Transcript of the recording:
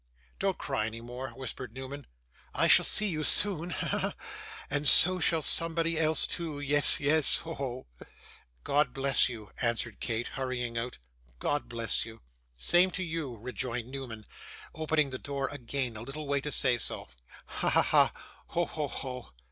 'Don't cry any more,' whispered Newman. 'I shall see you soon. Ha! ha! ha! And so shall somebody else too. Yes, yes. Ho! ho!' 'God bless you,' answered Kate, hurrying out, 'God bless you.' 'Same to you,' rejoined Newman, opening the door again a little way to say so. 'Ha, ha, ha! Ho! ho! ho!